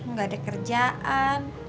gak ada kerjaan